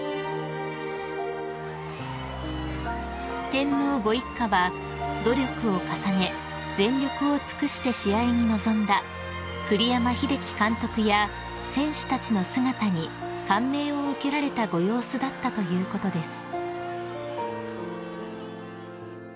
［天皇ご一家は努力を重ね全力を尽くして試合に臨んだ栗山英樹監督や選手たちの姿に感銘を受けられたご様子だったということです］